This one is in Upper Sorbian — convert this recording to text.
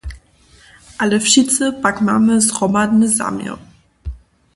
Ale wšitcy pak mamy zhromadny zaměr.